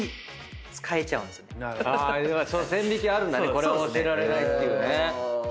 これは教えられないっていうね。